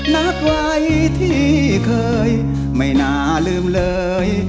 นักไว้ที่เคยไม่น่าลืมเลย